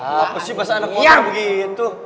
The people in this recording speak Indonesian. apa sih bahasa anak gua kayak begitu